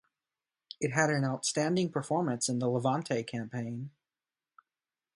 It had an outstanding performance in the Levante campaign.